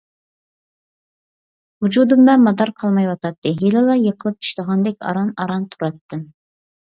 ۋۇجۇدۇمدا مادار قالمايۋاتاتتى، ھېلىلا يىقىلىپ چۈشىدىغاندەك ئاران-ئاران تۇراتتىم.